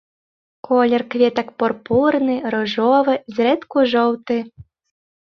Колер кветак пурпурны, ружовы, зрэдку жоўты.